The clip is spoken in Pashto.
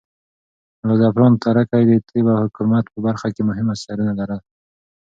ملا زعفران تره کى د طب او حکمت په برخه کې مهم اثرونه لرل.